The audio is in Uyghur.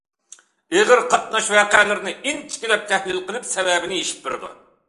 ئېغىر قاتناش ۋەقەلىرىنى ئىنچىكىلەپ تەھلىل قىلىپ، سەۋەبىنى يېشىپ بېرىدۇ.